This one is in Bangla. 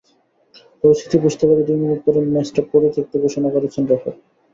পরিস্থিতি বুঝতে পেরে দুই মিনিট পরেই ম্যাচটা পরিত্যক্ত ঘোষণা করেছেন রেফারি।